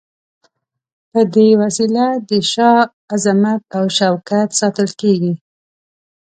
په دې وسیله د شاه عظمت او شوکت ساتل کیږي.